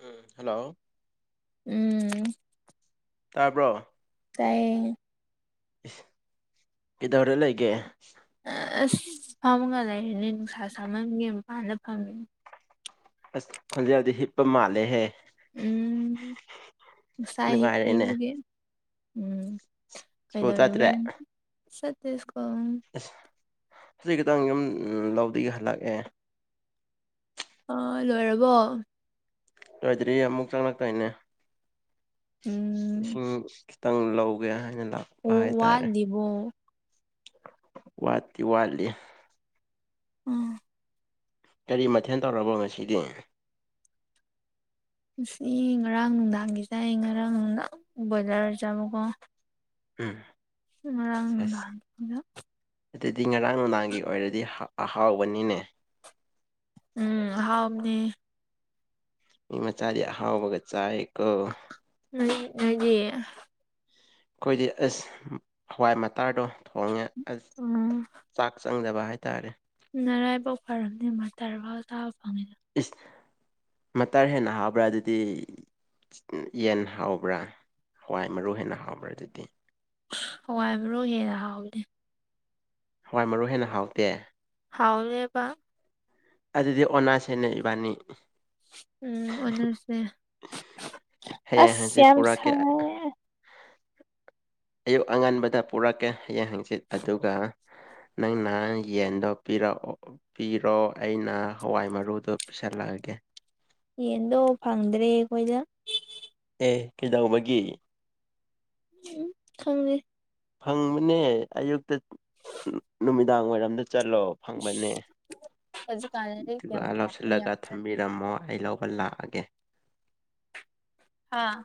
ꯎꯝ hello ꯎꯝ ꯇꯕ꯭ꯔꯣ ꯇꯥꯏꯌꯦ ꯀꯗꯧꯔ ꯂꯩꯒꯦ ꯑꯁ ꯐꯝꯒ ꯂꯩꯔꯅꯤ ꯅꯨꯡꯁꯥ ꯁꯥꯥꯃꯝꯒꯤ ꯃꯄꯥꯟꯗ ꯐꯝꯃꯤꯅꯤ ꯑꯁ ꯈꯣꯟꯖꯦꯜꯗꯤ ꯍꯤꯞꯄ ꯃꯥꯜꯂꯦꯍꯦ ꯎꯝ ꯉꯁꯥꯏ ꯅꯨꯡꯉꯥꯏꯔꯦꯅꯦ ꯍꯤꯞꯄꯤꯕꯒꯤ ꯎꯝ ꯁ꯭ꯀꯨꯜ ꯀꯩꯗꯧꯔꯤꯕ ꯆꯠꯇ꯭ꯔꯦ ꯅꯪ ꯆꯠꯇꯦ ꯁ꯭ꯀꯨꯜ ꯑꯁ ꯍꯧꯖꯤꯛ ꯈꯤꯇꯪ ꯌꯨꯝ ꯎꯝ ꯂꯧꯗꯩ ꯍꯜꯂꯛꯑꯦ ꯑꯥ ꯂꯣꯏꯔꯕꯣ ꯂꯣꯏꯗ꯭ꯔꯤ ꯑꯃꯨꯛ ꯆꯪꯂꯛꯇꯣꯏꯅꯦ ꯎꯝ ꯏꯁꯤꯡ ꯈꯤꯇꯪ ꯂꯧꯒꯦ ꯍꯥꯏꯅ ꯑꯣ ꯂꯥꯛꯄ ꯍꯥꯏꯇꯥꯔꯦ ꯋꯥꯠꯂꯤꯕꯣ ꯋꯥꯠꯇꯤ ꯋꯥꯠꯂꯤ ꯎꯝ ꯀꯔꯤ ꯃꯊꯦꯜ ꯇꯧꯔꯕꯣ ꯉꯁꯤꯗꯤ ꯉꯁꯤꯗꯤ ꯉꯔꯥꯡ ꯅꯨꯡꯗꯥꯡꯒꯤ ꯆꯥꯏ ꯉꯔꯥꯡ ꯅꯨꯡꯗꯥꯡ ꯕꯣꯏꯂ꯭ꯔ ꯆꯥꯕꯀꯣ ꯎꯝ ꯉꯔꯥꯡ ꯁꯦꯁ ꯅꯨꯡꯗꯥꯡꯒꯤꯅ ꯑꯗꯨꯗꯤ ꯉꯔꯥꯡ ꯅꯨꯡꯗꯥꯡꯒꯤ ꯑꯣꯏꯔꯗꯤ ꯍꯥꯎ ꯑꯍꯥꯎꯕꯅꯤꯅꯦ ꯎꯝ ꯑꯍꯥꯥꯎꯕꯅꯦ ꯃꯤ ꯃꯆꯥꯗꯤ ꯑꯍꯥꯎꯕꯒ ꯆꯥꯏꯌꯦ ꯀꯣ ꯂꯤꯛꯑꯗꯤ ꯑꯩꯈꯣꯏꯗꯤ ꯑꯁ ꯍꯋꯥꯏ ꯃꯇꯥ꯭ꯔꯗꯣ ꯊꯣꯡꯉꯦ ꯑꯁ ꯎꯝ ꯆꯥꯛ ꯆꯪꯗꯕ ꯍꯥꯏꯇꯥꯔꯦ ꯅꯔꯥꯏꯕꯛ ꯐꯔꯕꯅꯤ ꯃꯥꯇꯔ ꯐꯥꯎ ꯆꯥꯕ ꯐꯪꯉꯤ ꯏꯁ ꯃꯇꯔ ꯍꯦꯟꯅ ꯍꯥꯎꯕ꯭ꯔꯥ ꯑꯗꯨꯗꯤ ꯌꯦꯟ ꯍꯥꯎꯕ꯭ꯔꯥ ꯍꯋꯥꯏ ꯃꯔꯨ ꯍꯦꯟꯅ ꯍꯥꯎꯕ꯭ꯔꯥ ꯑꯗꯨꯗꯤ ꯍꯋꯥꯏ ꯃꯔꯨ ꯍꯦꯟꯅ ꯍꯥꯎꯕꯅꯦ ꯍꯋꯥꯏ ꯃꯔꯨ ꯍꯦꯟꯅ ꯍꯥꯎꯇꯦ ꯍꯥꯎꯋꯦꯕ ꯑꯗꯨꯗꯤ ꯑꯣꯟꯅꯥꯁꯦꯅꯦ ꯏꯕꯥꯅꯤ ꯎꯝ ꯑꯣꯟꯅꯁꯦ ꯍꯌꯦꯡ ꯑꯁ ꯍꯪꯆꯤꯠ ꯌꯥꯝ ꯄꯨꯔꯛꯀꯦ ꯁꯥꯏꯌꯦ ꯑꯌꯨꯛ ꯑꯉꯟꯕꯗ ꯄꯨꯔꯛꯀꯦ ꯍꯌꯦꯡ ꯍꯪꯆꯤꯠ ꯑꯗꯨꯒ [inaudible] ꯅꯪꯅ ꯌꯦꯟꯗꯣ ꯄꯤꯔꯛꯑꯣ ꯄꯤꯔꯣ ꯑꯩꯅ ꯍꯋꯥꯏ ꯃꯔꯨꯗꯣ ꯄꯤꯁꯜꯂꯛꯑꯒꯦ ꯌꯦꯟꯗꯣ ꯐꯪꯗ꯭ꯔꯦ ꯑꯩꯈꯣꯏꯗ ꯑꯦ ꯀꯩꯗꯧꯕꯒꯤ ꯎꯝ ꯈꯪꯗꯦ ꯐꯪꯕꯅꯦ ꯑꯌꯨꯛꯇ ꯅꯨꯃꯤꯗꯥꯡ ꯋꯥꯔꯝꯗ ꯆꯠꯂꯣ ꯐꯪꯕꯅꯦ ꯍꯧꯖꯤꯛꯀꯥꯟꯗꯗꯤ ꯑꯗꯨꯒ ꯌꯥꯝ ꯐꯥꯕ ꯌꯥꯝ ꯂꯧꯁꯤꯜꯂꯒ ꯆꯠ ꯊꯝꯕꯤꯔꯝꯃꯣ ꯑꯩ ꯂꯧꯕ ꯂꯥꯛꯑꯒꯦ ꯑꯥ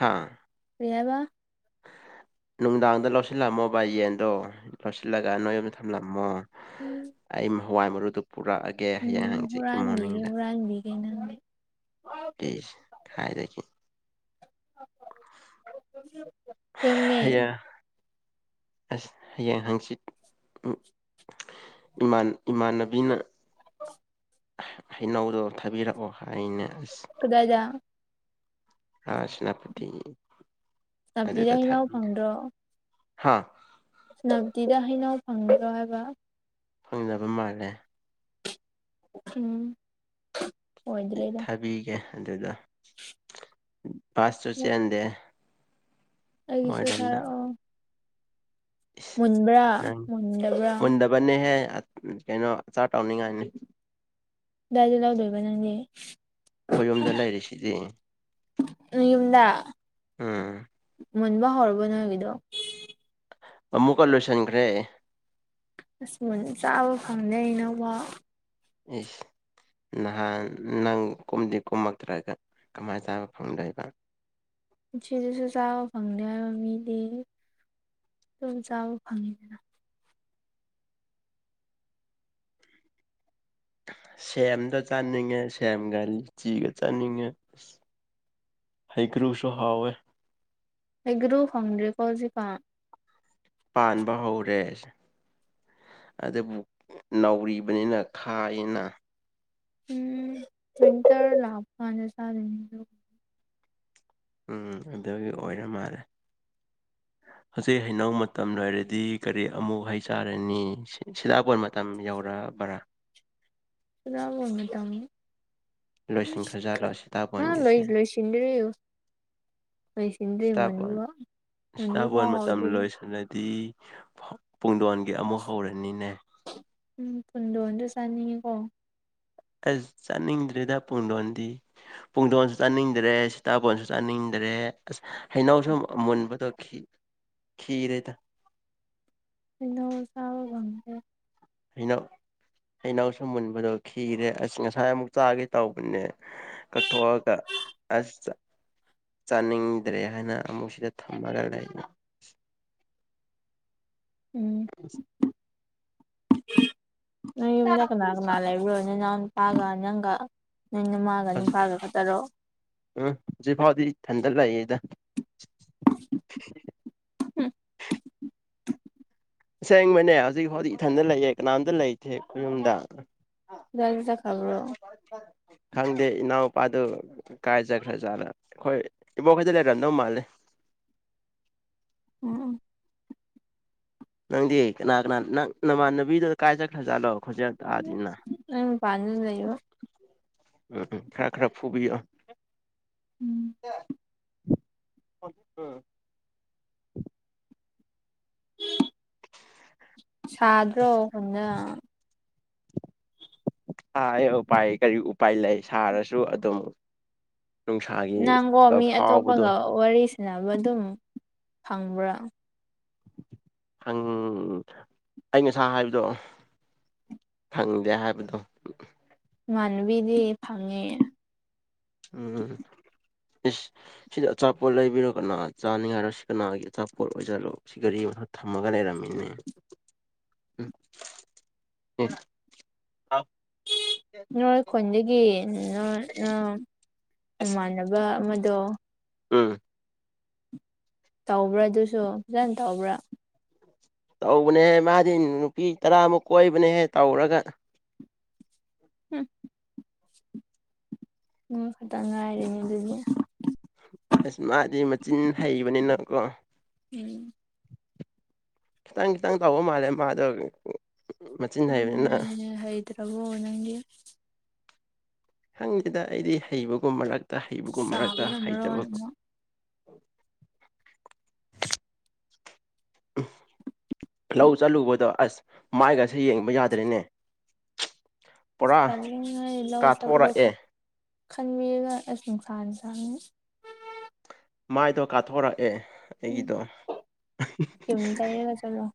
ꯍꯥꯥ ꯀꯩꯍꯥꯏꯕ ꯅꯨꯡꯗꯥꯡꯗ ꯂꯧꯁꯤꯜꯂꯝꯃꯣꯕ ꯌꯦꯟꯗꯣ ꯂꯧꯁꯤꯜꯂꯒ ꯅꯣꯏ ꯌꯨꯝꯗ ꯊꯝꯂꯝꯃꯣ ꯎꯝ ꯑꯩ ꯍꯋꯥꯏ ꯃꯔꯨꯗꯨ ꯄꯨꯔꯛꯑꯒꯦ ꯍꯌꯦꯡ ꯍꯪꯆꯠꯀꯤ ꯍꯨꯔꯥꯟꯕꯤꯒꯦ ꯃꯣꯔꯅꯤꯡꯗ ꯍꯨꯔꯥꯟꯕꯤꯒꯦ ꯅꯪꯒꯤ ꯏꯁ ꯍꯥꯏꯔꯒꯦ ꯌꯨꯝꯅꯦ ꯑꯁ ꯍꯌꯦꯡ ꯍꯪꯆꯤꯠ ꯏ ꯏꯃꯥꯟ ꯏꯃꯥꯟꯅꯕꯤꯅ ꯍꯩꯅꯧꯗꯣ ꯊꯥꯕꯤꯔꯛꯑꯣ ꯍꯥꯏꯅꯦ ꯑꯁ ꯀꯗꯥꯏꯗ ꯑꯥ ꯁꯅꯥꯄꯇꯤ ꯁꯦꯅꯥꯄꯇꯤꯗ ꯑꯗꯨꯗ ꯍꯩꯅꯧ ꯊꯕꯅꯤꯗ ꯍꯥ ꯁꯦꯅꯄꯇꯤꯗ ꯍꯩꯅꯧ ꯐꯪꯕ꯭ꯔꯣ ꯍꯥꯏꯕ ꯐꯪꯅꯕ ꯃꯥꯜꯂꯦ ꯎꯝ ꯑꯣꯏꯗ꯭ꯔꯦꯗ ꯊꯥꯕꯤꯒꯦ ꯑꯗꯨꯗ ꯕꯥꯁꯁꯨ ꯆꯦꯟꯗꯦ ꯑꯩꯒꯤꯁꯨ ꯊꯥꯔꯛꯑꯣ ꯪ ꯏꯁ ꯃꯨꯟꯕ꯭ꯔꯥ ꯅꯪ ꯃꯨꯟꯗꯕ꯭ꯔꯥ ꯃꯨꯟꯗꯕꯅꯦꯍꯦ ꯀꯩꯅꯣ ꯑꯆꯥꯔ ꯇꯧꯅꯤꯡꯉꯥꯏꯅꯤ ꯀꯗꯥꯏꯗ ꯂꯧꯗꯣꯏꯕ ꯅꯪꯗꯤ ꯑꯩ ꯌꯨꯝꯗ ꯂꯩꯔꯤꯁꯤꯗꯤ ꯎꯝ ꯌꯨꯝꯗ ꯃꯨꯟꯕ ꯍꯧꯔꯕꯣ ꯅꯣꯏꯒꯤꯗꯣ ꯑꯃꯨꯛꯀ ꯂꯣꯏꯁꯟꯒ꯭ꯔꯦ ꯑꯁ ꯃꯨꯟ ꯆꯥꯕ ꯐꯪꯗꯦ ꯍꯩꯅꯧꯕꯧ ꯏꯁ ꯅꯍꯥꯟ ꯅꯪ ꯀꯨꯝꯗꯤ ꯀꯨꯝꯃꯛꯇ꯭ꯔꯒ ꯀꯃꯥꯏꯅ ꯆꯥꯕ ꯐꯪꯗꯣꯏꯕ ꯁꯤꯗꯁꯨ ꯆꯥꯕ ꯐꯪꯗꯦ ꯍꯥꯏꯕ ꯃꯤꯗꯤ ꯇꯕꯨ ꯆꯥꯕ ꯐꯪꯉꯤꯗꯅ ꯁꯦꯝꯗꯣ ꯆꯥꯅꯤꯡꯉꯦ ꯁꯦꯝꯒꯥ ꯂꯤꯆꯤꯒ ꯆꯥꯅꯤꯡꯉꯦ ꯑꯁ ꯍꯩꯀ꯭ꯔꯨꯁꯨ ꯍꯥꯥꯎꯋꯦ ꯍꯩꯒ꯭ꯔꯨ ꯐꯪꯗ꯭ꯔꯦꯀꯣ ꯍꯧꯖꯤꯛꯀꯥꯟ ꯄꯥꯟꯕ ꯍꯧꯔꯦ ꯑꯗꯨꯕꯨ ꯅꯧꯔꯤꯕꯅꯤꯅ ꯈꯥꯏꯅ ꯎꯝ ꯋꯤꯟꯇꯔ ꯂꯥꯛꯕꯀꯥꯟꯗ ꯆꯥꯗꯣꯏꯅꯦ ꯗꯣ ꯎꯝ ꯑꯗꯨꯒꯤ ꯑꯣꯏꯔ ꯃꯥꯜꯂꯦ [inaudible] ꯍꯧꯖꯤꯛ ꯍꯩꯅꯧ ꯃꯇꯝ ꯂꯣꯏꯔꯗꯤ ꯀꯔꯤ ꯑꯃꯨꯛ ꯍꯩ ꯆꯥꯔꯅꯤ ꯁꯤ ꯁꯤꯗꯥꯄꯣꯟ ꯃꯇꯝ ꯌꯧꯔ ꯕꯔ [unintelligible] ꯂꯣꯏꯁꯤꯟꯈ꯭ꯔꯖꯥꯠꯂꯣ ꯍꯥ ꯂꯣꯏ ꯁꯤꯇꯥꯕꯣꯟꯒꯤꯁꯦ ꯂꯣꯏꯁꯤꯗꯔꯤ ꯂꯣꯏꯁꯤꯟꯗ꯭ꯔꯤ ꯁꯤꯇꯥꯕꯣꯟ ꯃꯨꯟꯕ ꯃꯨꯟꯕꯐꯥꯎ ꯍꯧꯗ꯭ꯔꯤꯍꯦ ꯗꯤ ꯄꯨꯡꯗꯣꯟꯒꯤ ꯑꯃꯨꯛ ꯍꯧꯔꯅꯤꯅꯦ ꯎꯝ ꯄꯨꯟꯗꯣꯟꯗꯣ ꯆꯥꯅꯤꯡꯉꯤꯀꯣ ꯑꯁ ꯆꯥꯅꯤꯡꯗ꯭ꯔꯦꯗ ꯄꯨꯡꯗꯣꯟꯗꯤ ꯄꯨꯡꯗꯣꯟꯁꯨ ꯆꯥꯅꯤꯡꯗ꯭ꯔꯦ ꯁꯤꯇꯥꯕꯣꯟꯁꯨ ꯆꯥꯅꯤꯡꯗ꯭ꯔꯦ ꯔꯦ ꯑꯁ ꯍꯩꯅꯧꯁꯨ ꯃꯨꯟꯕꯗꯣ ꯈꯤ ꯈꯤꯔꯦꯗ ꯍꯩꯅꯧ ꯆꯥꯕ ꯉꯝꯗ꯭ꯔꯦ ꯍꯩꯅꯧ ꯍꯩꯅꯧꯁꯨꯨ ꯃꯨꯟꯕꯗꯣ ꯈꯤꯔꯦ ꯑꯁ ꯉꯁꯥꯏ ꯑꯃꯨꯛ ꯆꯥꯒꯦ ꯇꯧꯕꯅꯦ ꯀꯛꯊꯣꯛꯑꯒ ꯑꯁ ꯆꯥꯅꯤꯡꯗ꯭ꯔꯦ ꯍꯥꯏꯅ ꯑꯃꯨꯛ ꯁꯤꯗ ꯊꯝꯃꯒ ꯂꯩ ꯎꯝ [inaudible] ꯅꯣꯏ ꯌꯨꯝꯗ ꯀꯅꯥ ꯀꯅꯥ ꯂꯩꯕ꯭ꯔꯣ ꯅꯅꯥꯎꯅꯨꯄꯥꯒ ꯅꯪꯒ ꯅꯣꯏ ꯅꯃꯥꯒ ꯍꯧꯖꯤꯛ ꯅꯨꯄꯥꯒ ꯈꯛꯇꯔꯣ ꯎꯝ ꯍꯧꯖꯤꯛꯐꯥꯎꯗꯤ ꯏꯊꯟꯗ ꯂꯩꯌꯦꯗ ꯍꯨꯝ ꯁꯦꯡꯕꯅꯦ ꯍꯧꯖꯤꯛꯐꯥꯎꯗꯤ ꯏꯊꯟꯇ ꯂꯩꯌꯦ ꯀꯅꯥꯝꯇ ꯂꯩꯇꯦ ꯈꯣꯏꯌꯨꯝꯗ ꯅꯪꯗꯤ ꯆꯠꯈꯕ꯭ꯔꯣ ꯈꯪꯗꯦ ꯏꯅꯥꯎꯄꯥꯗꯨ ꯀꯥꯏ ꯆꯠꯈ꯭ꯔꯖꯥꯠꯂ ꯑꯩꯈꯣꯏ ꯏꯕꯣꯛꯈꯣꯏꯗ ꯂꯩꯔꯝꯗꯧ ꯃꯥꯜꯂꯦ ꯎꯝ ꯅꯪꯗꯤ ꯀꯅꯥ ꯀꯅꯥ ꯅꯪ ꯅꯃꯥꯟꯅꯕꯤꯗꯨ ꯀꯥꯏ ꯆꯠꯈ꯭ꯔꯖꯥꯠꯅꯣ ꯈꯣꯖꯥꯜ ꯇꯥꯗꯦꯅ ꯅꯪ ꯃꯄꯥꯟꯗ ꯂꯩꯕ ꯎꯝ ꯎꯝ ꯈꯔ ꯈꯔ ꯐꯨꯕꯤꯌꯣ ꯎꯝ [unintelligible] ꯁꯥꯗ꯭ꯔꯣ ꯈꯨꯟꯗꯥ ꯁꯥꯏꯌꯦ ꯎꯄꯥꯏ ꯀꯔꯤ ꯎꯄꯥꯏ ꯂꯩ ꯁꯥꯔꯁꯨ ꯑꯗꯨꯝ ꯅꯨꯡꯁꯥꯒꯤ ꯅꯪꯒꯣ ꯃꯤ ꯐꯥꯎꯕꯗꯣ ꯑꯇꯣꯞꯄꯒ ꯋꯥꯔꯤ ꯁꯟꯅꯕ ꯑꯗꯨꯝ ꯐꯪꯕ꯭ꯔꯥ ꯐꯪ ꯑꯩ ꯉꯁꯥ ꯍꯥꯏꯕꯗꯣ ꯐꯪꯗꯦ ꯍꯥꯏꯕꯗꯣ ꯏꯃꯥꯟꯅꯕꯤꯗꯤ ꯐꯪꯉꯦ ꯎꯝ ꯏꯁ ꯁꯤꯗꯤ ꯑꯆꯥꯄꯣꯠ ꯂꯩꯕꯤꯔꯣ ꯀꯅꯥ ꯆꯥꯅꯤꯡꯉꯥꯏꯔ ꯁꯤ ꯀꯅꯥꯒꯤ ꯑꯆꯥꯄꯣꯠ ꯑꯣꯏꯖꯥꯠꯂꯣ ꯁꯤ ꯒꯥꯔꯤ ꯊꯝꯃꯒ ꯂꯩꯔꯝꯃꯦꯅꯦ [unintelligible] ꯅꯣꯏ ꯈꯨꯟꯗꯤ ꯒꯤ ꯅꯣꯏ ꯅꯣꯏ ꯑꯁ ꯅꯃꯥꯟꯅꯕ ꯑꯃꯗꯣ ꯎꯝ ꯇꯧꯕ꯭ꯔꯥ ꯑꯗꯨꯁꯨ ꯐꯖꯅ ꯇꯧꯕ꯭ꯔꯥ ꯇꯧꯕꯅꯦꯍꯦ ꯃꯥꯗꯤ ꯅꯨꯄꯤ ꯇꯔꯥꯃꯨꯛ ꯀꯣꯏꯕꯅꯦꯍꯦ ꯇꯧꯔꯒ ꯍꯨꯝ ꯅꯣꯏ ꯈꯛꯇ ꯉꯥꯏꯔꯦꯅꯦ ꯑꯗꯨꯗꯤ ꯑꯁ ꯃꯥꯗꯤ ꯃꯆꯤꯟ ꯍꯩꯕꯅꯤꯅꯥ ꯀꯣ ꯎꯝ ꯈꯤꯇꯪ ꯈꯤꯇꯪ ꯇꯧꯕ ꯃꯥꯜꯂꯦ ꯃꯥꯗꯣ ꯃꯆꯤꯟ ꯍꯩꯕꯅꯤꯅ ꯎꯝ ꯍꯩꯇ꯭ꯔꯕꯣ ꯅꯪꯗꯤ ꯍꯪꯗꯦꯗ ꯑꯩꯗꯤ ꯍꯩꯕꯒꯨꯝ ꯃꯔꯛꯇ ꯍꯩꯕꯒꯨꯝ ꯃꯔꯛꯇ ꯆꯥꯕꯅ ꯃꯔꯣꯟ ꯍꯩꯇꯕ ꯑꯃ [inaudible] ꯂꯧ ꯆꯠꯂꯨꯕꯗꯣ ꯑꯁ ꯃꯥꯏꯒꯥꯁꯦ ꯌꯦꯡꯕ ꯌꯥꯗ꯭ꯔꯦꯅꯦ ꯄꯨꯔꯥ ꯆꯥꯅꯤꯡꯉꯩ ꯂꯧ ꯆꯠꯄꯗꯣ ꯀꯥꯊꯣꯔꯛꯑꯦ ꯈꯟꯕꯤꯔꯒ ꯑꯁ ꯅꯨꯡꯁꯥꯅꯤ ꯗꯅꯤ ꯃꯥꯏꯗꯣ ꯀꯥꯊꯣꯔꯛꯑꯦ ꯎꯝ ꯑꯩꯒꯤꯗꯣ ꯀ꯭ꯔꯤꯝ ꯇꯩꯔꯒ ꯆꯠꯂꯣ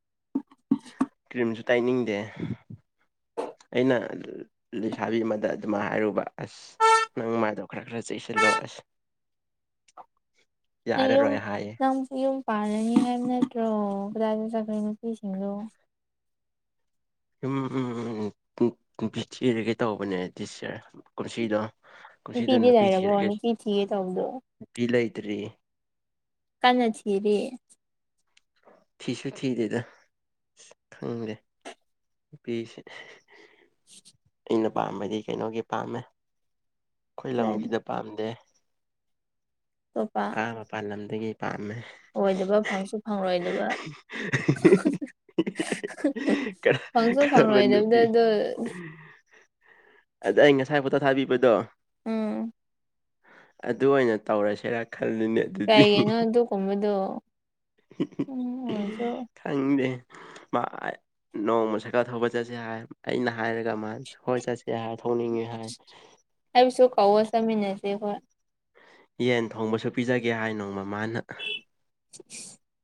ꯀ꯭ꯔꯤꯝꯁꯨ ꯇꯩꯅꯤꯡꯗꯦ [inaudible] ꯑꯩꯅ ꯂꯩꯁꯥꯕꯤ ꯑꯃꯗ ꯑꯗꯨꯃꯥꯏ ꯍꯥꯏꯔꯨꯕ ꯑꯁ ꯅꯪ ꯃꯥꯏꯗꯣ ꯈꯔ ꯈꯔ ꯆꯦꯛꯁꯤꯜꯂꯣ ꯑꯁ [inaudible] ꯅꯪ ꯌꯨꯝ ꯌꯥꯔꯔꯣꯏ ꯍꯥꯏꯌꯦ ꯅꯪ ꯌꯨꯝ ꯄꯥꯔꯅꯤ ꯍꯥꯏꯕ ꯅꯠꯇ꯭ꯔꯣ ꯀꯗꯥꯏꯗ ꯖꯒꯩ ꯅꯨꯄꯤꯁꯤꯡꯗꯣ ꯎꯝ ꯎꯝ ꯎꯝ ꯅꯨꯄꯤ ꯊꯤꯔꯒꯦ ꯇꯧꯕꯅꯦ ꯗꯤꯁ ꯌꯥꯔ ꯀꯨꯝꯁꯤꯗꯣ ꯀꯨꯝꯁꯤꯗꯣ ꯅꯨꯄꯤꯗꯤ ꯅꯨꯄꯤ ꯂꯩꯔꯕꯣ ꯊꯤꯔꯒꯦ ꯅꯨꯄꯤ ꯊꯤꯒꯦ ꯇꯧꯕꯗꯣ ꯅꯨꯄꯤ ꯂꯩꯇꯔꯤ ꯀꯟꯅ ꯊꯤꯔꯤ ꯊꯤꯁꯨ ꯊꯤꯗꯦꯗꯥ ꯈꯪꯗꯦ ꯅꯨꯄꯤꯁꯦ ꯑꯩꯅ ꯄꯥꯝꯕꯗꯤ ꯀꯩꯅꯣꯒꯤ ꯄꯥꯝꯃꯦ ꯈꯣꯏ ꯂꯝꯒꯤꯗ ꯄꯥꯝꯗꯦ ꯑꯇꯣꯞꯄ ꯑꯥ ꯃꯄꯥꯟ ꯂꯝꯗꯒꯤ ꯄꯥꯝꯃꯦ ꯑꯣꯏꯗꯕ ꯐꯪꯁꯨ ꯐꯪꯂꯣꯏꯗꯕ ꯍꯥ ꯍꯥ ꯀꯔ ꯐꯪꯁꯨ ꯀꯔꯝꯕ ꯐꯪꯂꯔꯣꯏꯗꯕꯗꯣ ꯅꯨꯄꯤ ꯑꯗꯣ ꯑꯗ ꯑꯩ ꯉꯁꯥꯏ ꯐꯣꯇꯣ ꯊꯥꯕꯤꯕꯗꯣ ꯎꯝ ꯑꯗꯨ ꯑꯣꯏꯅ ꯇꯧꯔꯁꯤꯔꯥ ꯈꯜꯂꯤꯅꯦ ꯀꯥꯥꯏꯒꯤꯅꯣ ꯑꯗꯨ ꯒꯨꯝꯕꯗꯣ ꯍꯤ ꯍꯤ ꯈꯪꯗꯦ ꯃꯥ ꯑꯥꯏ ꯅꯣꯡꯃ ꯁꯥꯏꯀꯜ ꯊꯧꯕ ꯆꯠꯁꯦ ꯍꯥꯏ ꯑꯩꯅ ꯍꯥꯏꯔꯒ ꯃꯥ ꯍꯣꯏ ꯆꯠꯁꯦ ꯍꯥꯏ ꯊꯧꯅꯤꯡꯉꯤ ꯍꯥꯏ ꯑꯩꯕꯨꯁꯨ ꯀꯧꯑꯣ ꯆꯠꯃꯤꯟꯅꯁꯦ ꯍꯣꯏ ꯌꯦꯟ ꯊꯣꯡꯕꯁꯨ ꯄꯤꯖꯒꯦ ꯍꯥꯏꯅꯣ ꯃꯃꯥꯅ [inaudible]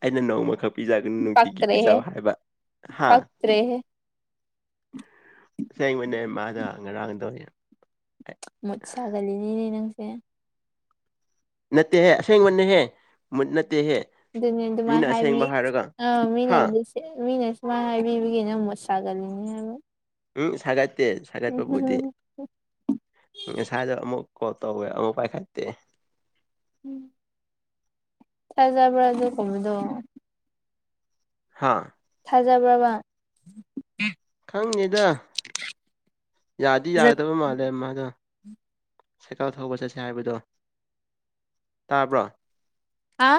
ꯑꯩꯅ ꯅꯣꯡꯃ ꯈꯛ ꯄꯤꯖꯥꯒ ꯅꯨꯡꯇꯤꯒꯤ ꯄꯤꯖꯥ ꯄꯛꯇ꯭ꯔꯦꯍꯦ ꯍꯥꯏꯕ ꯍꯥ ꯄꯛꯇ꯭ꯔꯦꯍꯦ ꯑꯁꯦꯡꯕꯅꯦ ꯃꯗꯣ ꯉꯔꯥꯡꯗꯣ ꯃꯨꯠ ꯁꯥꯒꯜꯂꯤꯅꯤꯅꯦ ꯅꯪꯁꯦ ꯅꯠꯇꯦ ꯍꯦ ꯑꯁꯦꯡꯕꯅꯦ ꯍꯦ ꯃꯨꯠ ꯅꯠ ꯑꯗꯨꯅꯤ ꯑꯗꯨꯃꯥꯏ ꯍꯥꯏꯕꯤ ꯑꯥ ꯃꯤꯅ ꯍꯥ ꯑꯗꯨꯁꯦ ꯃꯤꯅ ꯋꯥ ꯍꯥꯏꯕꯤꯕꯒꯤ ꯅꯪ ꯃꯨꯠ ꯁꯥꯒꯜꯂꯤꯅꯦ ꯍꯥꯏꯕ ꯎꯝ ꯁꯥꯒꯠꯇꯦ ꯁꯥꯒꯠꯄꯕꯨꯗꯤ ꯉꯁꯥꯏꯗ ꯑꯃꯨꯛ ꯀꯣꯜ ꯇꯧꯋꯦ ꯑꯃꯨꯛ ꯄꯥꯏꯈꯠꯇꯦ ꯐꯖꯕ꯭ꯔꯥ ꯑꯗꯨꯒꯨꯝꯕꯗꯣ ꯍꯥꯥ ꯐꯖꯕ꯭ꯔꯥꯕ ꯈꯪꯅꯤꯗ ꯌꯥꯗꯤ ꯌꯥꯒꯗꯕ ꯃꯥꯜꯂꯦ ꯃꯥꯗꯣ ꯁꯦꯛꯀꯜ ꯊꯧꯕ ꯆꯠꯁꯦ ꯍꯥꯏꯕꯗꯣ ꯇꯥꯕ꯭ꯔꯣ ꯍꯥ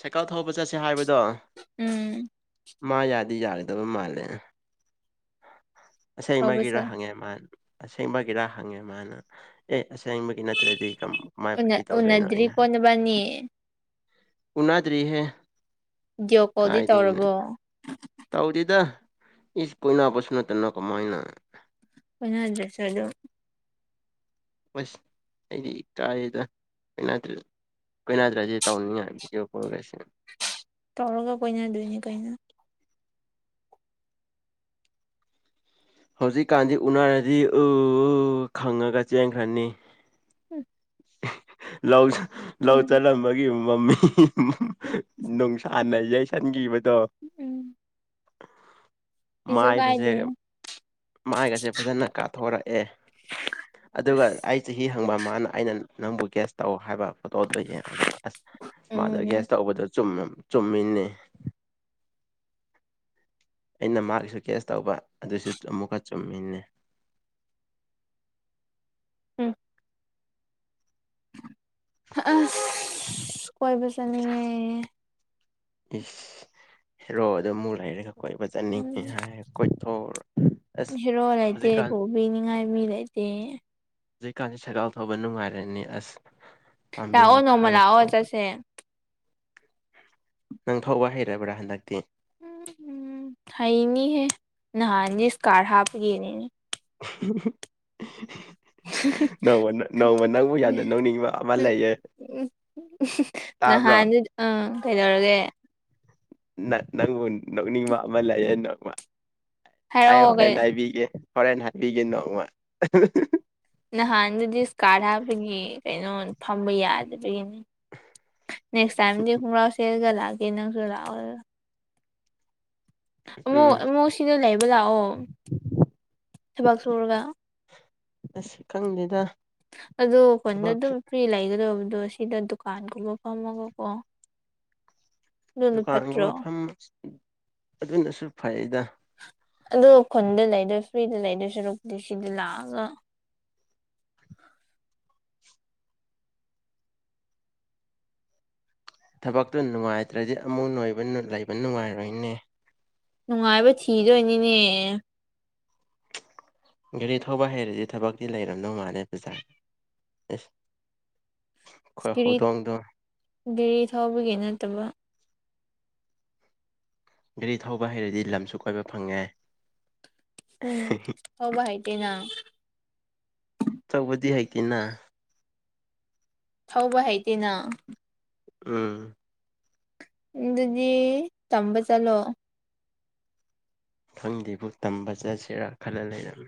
ꯁꯥꯏꯀꯜ ꯊꯧꯕ ꯆꯠꯁꯦ ꯍꯥꯏꯕꯗꯣ ꯎꯝ ꯃꯥ ꯌꯥꯗꯤ ꯌꯥꯒꯗꯕ ꯃꯥꯜꯂꯦ ꯇꯧꯕ ꯑꯁꯦꯡꯕꯒꯤꯔ ꯆꯠ ꯍꯪꯉꯦ ꯃꯥꯅ ꯑꯁꯦꯡꯕꯒꯤꯔ ꯍꯪꯉꯦ ꯃꯥꯅ ꯑꯦ ꯑꯁꯦꯡꯕꯒꯤ ꯅꯠꯇ꯭ꯔꯗꯤ ꯀꯝ ꯀꯃꯥꯏ ꯐꯥꯒꯤ ꯇꯧꯗꯣꯏꯅꯣ ꯑꯩꯅ ꯎꯅꯗ꯭ꯔꯤꯀꯣ ꯍꯥꯏ ꯅꯕꯥꯅꯤ ꯎꯅꯗ꯭ꯔꯤ ꯍꯦ ꯚꯗꯤꯑꯣ ꯀꯣꯜꯗꯤ ꯇꯧꯔꯕꯣ ꯇꯧꯗꯦꯗ ꯏꯁ ꯀꯣꯏꯅꯥꯕꯁꯨ ꯅꯠꯇꯅ ꯀꯃꯥꯏꯅ ꯀꯣꯢꯅꯗꯗ꯭ꯔꯥꯁꯨ ꯑꯁ ꯑꯩꯗꯤ ꯀꯥꯏꯌꯦꯗ ꯀꯣꯢꯅꯗ꯭ꯔ ꯀꯣꯏꯅꯥꯗ꯭ꯔꯁꯤ ꯇꯧꯅꯤꯉ ꯍꯥꯏ ꯚꯤꯗꯤꯌꯣ ꯀꯣꯜꯒꯁꯦ ꯇꯧꯔꯒ ꯀꯣꯢꯅ ꯗꯨꯏꯅꯤ ꯀꯩꯅꯣ ꯍꯧꯖꯤꯛꯀꯥꯟꯗꯤ ꯎꯅꯔꯗꯤ ꯎ ꯎ ꯈꯪꯉꯒ ꯆꯦꯟꯈ꯭ꯔꯅꯤ ꯂꯧ ꯂꯧ ꯎꯝ ꯆꯠꯂꯝꯕꯒꯤ ꯃꯃꯤ ꯅꯨꯡꯁꯥꯅ ꯌꯩꯁꯟꯈꯤꯕ ꯎꯝ ꯀꯤꯁꯨ ꯃꯥꯏꯕꯁꯦ ꯀꯥꯏꯗꯦꯅꯦ ꯃꯥꯏꯒꯁꯦ ꯐꯖꯅ ꯀꯥꯊꯣꯔꯛꯑꯦ ꯑꯗꯨꯒ ꯑꯩ ꯆꯍꯤ ꯈꯪꯕ ꯃꯥꯅ ꯑꯩꯅ ꯅꯪꯕꯨ ꯒ꯭ꯌꯥꯁ ꯇꯧ ꯍꯥꯏꯕ ꯐꯣꯇꯣꯗꯣ ꯌꯦꯡꯉꯒ ꯑꯁ ꯃꯥꯗꯣ ꯎꯝ ꯒ꯭ꯌꯥꯁ ꯇꯧꯕꯗ ꯆꯨꯝꯃꯦ ꯆꯨꯝꯃꯤꯅꯦ ꯑꯩꯅ ꯃꯥꯒꯤꯁꯨ ꯀꯦꯁ ꯇꯧꯕ ꯑꯗꯨꯁꯨ ꯑꯃꯨꯛꯀ ꯆꯨꯝꯃꯤꯅꯦ ꯎꯝ ꯑꯁ ꯀꯣꯏꯕ ꯆꯠꯅꯤꯡꯒꯦ ꯏꯁ ꯍꯤꯔꯣꯗꯣ ꯑꯃꯨꯛ ꯂꯩꯔꯒ ꯀꯣꯏꯕ ꯆꯠꯅꯤꯡꯉꯦ ꯎꯝ ꯍꯥꯏꯔ ꯀꯣꯏꯊꯣꯎꯔꯣ ꯍꯦꯔꯣ ꯂꯩꯇꯦ ꯄꯨꯣꯕꯤ ꯅꯤꯡꯉꯥꯏ ꯃꯤ ꯂꯩꯇꯦ ꯍꯧꯖꯤꯛ ꯀꯥꯟꯁꯤ ꯁꯥꯏꯀꯜ ꯊꯧꯕ ꯅꯨꯡꯉꯥꯏꯔꯅꯤ ꯑꯁ ꯄꯥꯝꯕꯤ ꯂꯥꯛꯑꯣ ꯅꯣꯡꯃ ꯃꯈꯥꯗ ꯂꯥꯛꯑꯣ ꯊꯧꯕꯗꯣ ꯆꯠꯁꯦ ꯅꯪ ꯊꯧꯕ ꯍꯩꯔꯕ꯭ꯔꯥ ꯍꯟꯗꯛꯇꯤ ꯎꯝ ꯍꯨ ꯍꯩꯅꯤꯍꯦ ꯅꯍꯥꯟꯅꯤ ꯁꯀꯥꯠ ꯍꯥꯄꯀꯦꯅꯦꯅꯤ ꯍꯨꯝ ꯍꯨꯝ ꯍꯨ ꯅꯣꯃ ꯅꯣꯡꯃ ꯅꯪꯕꯨ ꯌꯥꯝꯅ ꯅꯣꯛꯅꯤꯡꯕ ꯑꯃ ꯂꯩꯌꯦ ꯎ ꯇꯥꯕ꯭ꯔꯣ ꯅꯍꯥꯟꯗꯨ ꯑ ꯀꯩꯗꯧꯔꯒꯦ ꯅ ꯅꯪꯕꯨ ꯅꯣꯛꯅꯤꯡꯕ ꯑꯃ ꯂꯩꯌꯦ ꯅꯣꯡꯃ ꯑꯩ ꯍꯥꯏꯔꯛꯑꯣ ꯍꯣꯔꯦꯟ ꯀꯩ ꯍꯥꯏꯕꯤꯒꯦ ꯍꯣꯔꯦꯟ ꯍꯥꯏꯕꯤꯒꯦ ꯅꯣꯡꯃ ꯅꯍꯥꯟꯗꯨꯗꯤ ꯏꯁꯀꯥꯠ ꯍꯥꯞꯕꯒꯤ ꯀꯩꯅꯣ ꯐꯝꯕ ꯌꯥꯗꯕꯒꯤꯅꯤ ꯅꯦꯛꯁ ꯇꯥꯌꯝꯗꯤ ꯈꯪꯒ꯭ꯔꯥꯎ ꯁꯦꯠꯂꯒ ꯂꯛꯀꯦ ꯅꯨꯁꯨ ꯂꯥꯎꯗꯅ ꯑꯃꯨꯛ ꯎꯝ ꯑꯃꯨꯛ ꯁꯤꯗ ꯂꯩꯕ ꯂꯥꯛꯑꯣ ꯊꯕꯛ ꯁꯨꯔꯒ ꯑꯁ ꯈꯪꯗꯦꯗ ꯑꯗꯨ ꯀꯟꯗꯣ ꯊꯕꯛ ꯑꯗꯨꯝ ꯐ꯭ꯔꯤ ꯂꯩꯒꯗꯕ ꯑꯗꯣ ꯁꯤꯗ ꯗꯨꯀꯥꯟꯒꯨꯝꯕ ꯐꯝꯃꯒꯀꯣ ꯑꯗꯨꯅ ꯐꯠꯇ꯭ꯔꯣ ꯗꯨꯀꯥꯟꯒꯨꯝꯕ ꯐꯝ ꯑꯗꯨꯅꯁꯨ ꯐꯩꯌꯦꯗ ꯑꯗꯣ ꯈꯨꯟꯗ ꯂꯩꯗꯣꯏ ꯐ꯭ꯔꯤꯗ ꯂꯩꯗꯣꯏ ꯁꯔꯨꯛꯄꯨꯗꯤ ꯁꯤꯗꯤ ꯂꯥꯛꯑꯒ ꯊꯕꯛꯇꯨ ꯅꯨꯡꯉꯥꯏꯇ꯭ꯔꯗꯤ ꯑꯃꯨꯛ ꯅꯣꯏꯕ ꯂꯩꯕ ꯅꯨꯡꯉꯥꯏꯔꯣꯏꯅꯦ ꯅꯨꯡꯉꯥꯏꯕ ꯊꯤꯗꯣꯏꯅꯤꯅꯦ ꯒꯥꯔꯤ ꯊꯧꯕ ꯍꯩꯔꯗꯤ ꯊꯕꯛꯇꯤ ꯂꯩꯔꯝꯗꯧ ꯃꯥꯜꯂꯦ ꯑꯗꯨꯗ ꯑꯦ ꯁ꯭ꯄꯤꯔꯤꯠ ꯒꯦꯔꯤ ꯊꯧꯕꯒꯤ ꯅꯠꯇꯕ ꯒꯥꯔꯤ ꯊꯧꯕ ꯍꯩꯔꯗꯤ ꯂꯝꯁꯨ ꯀꯣꯏꯕ ꯐꯪꯉꯦ ꯎꯝ ꯊꯧꯕ ꯍꯩꯇꯦꯅꯥ ꯑꯆꯧꯕꯗꯤ ꯍꯩꯇꯦꯅ ꯊꯧꯕ ꯍꯩꯇꯦꯅ ꯎꯝ ꯑꯗꯨꯗꯤ ꯇꯝꯕ ꯆꯠꯂꯣ ꯈꯪꯗꯦꯕꯨ ꯇꯝꯕ ꯆꯠꯁꯤꯔꯥ ꯈꯜꯂ ꯂꯩꯔꯝꯃꯤ